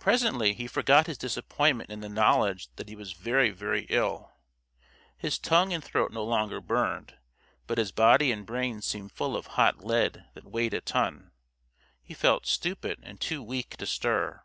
Presently he forgot his disappointment in the knowledge that he was very, very ill. His tongue and throat no longer burned, but his body and brain seemed full of hot lead that weighed a ton. He felt stupid, and too weak to stir.